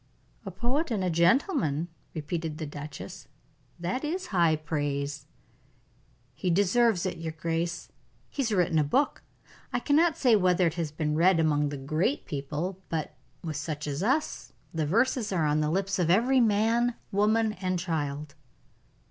"A poet and a gentleman!" repeated the duchess. "That is high praise." "He deserves it, your grace. He has written a book I cannot say whether it has been read among the great people; but, with such as us, the verses are on the lips of every man, woman and child."